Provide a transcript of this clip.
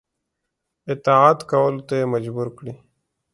اطاعت کولو ته یې مجبور کړي.